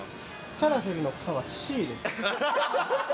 カラフルの「カ」はＣです。